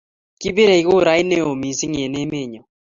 kibirei kurait neo mising en emenyo